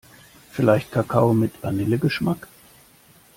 Vielleicht Kakao mit Vanillegeschmack?